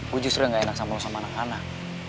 gue justru yang gak enak sama lo sama anak anak